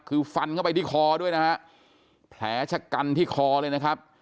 คือฟันเข้าไปที่คอด้วยนะฮะแผลชะกันที่คอเลยนะครับ